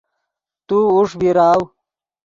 تو اوݰ بیراؤ